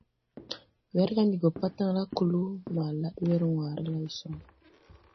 Werga ndi go patala kluu ma lad wer wããre lay so.